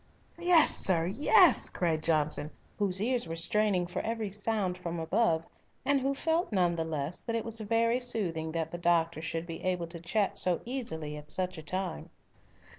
"Yes, sir, yes!" cried Johnson, whose ears were straining for every sound from above, and who felt none the less that it was very soothing that the doctor should be able to chat so easily at such a time.